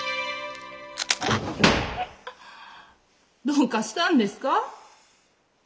どうかしたんですか？